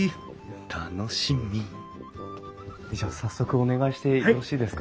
楽しみじゃあ早速お願いしてよろしいですか？